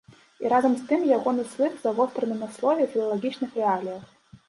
І разам з тым ягоны слых завостраны на слове, філалагічных рэаліях.